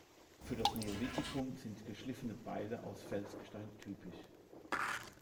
Für das Neolithikum sind geschliffene Beile aus Felsgestein typisch.